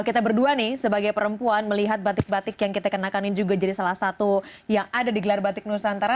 kita berdua nih sebagai perempuan melihat batik batik yang kita kenakan ini juga jadi salah satu yang ada di gelar batik nusantara